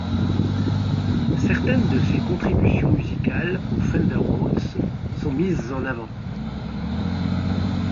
Certaines de ses contributions musicales au Fender Rhodes sont mises en avant.